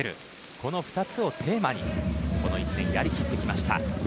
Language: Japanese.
この２つをテーマにこの１年、やりきってきました。